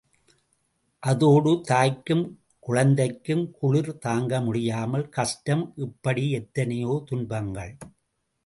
அதோடு தாய்க்கும் குழந்தைக்கும் குளிர் தாங்கமுடியாமல் கஷ்டம், இப்படி எத்தனையோ துன்பங்கள்.